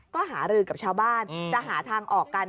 ก็หารือกับชาวบ้านจะหาทางออกกัน